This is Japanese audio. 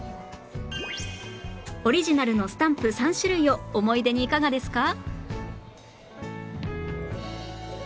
オリジナルのスタンプ３種類を思い出にいかがですか？